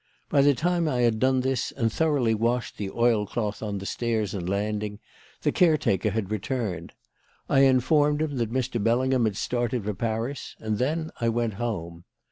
By the time I had done this and thoroughly washed the oilcloth on the stairs and landing, the caretaker had returned. I informed him that Mr. Bellingham had started for Paris and then I went home.